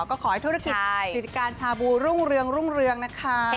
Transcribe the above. ก็ขอให้ธุรกิจการชาบูรุ่งเรืองนะคะ